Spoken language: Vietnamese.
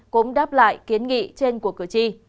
cũng đáp lại kiến nghị trên cuộc cửa chi